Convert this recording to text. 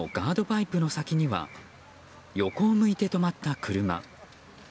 パイプの先には横を向いて止まった車。